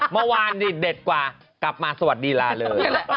เมื่อว่านดีกว่ากลับมาสวัสดีล่ะเลย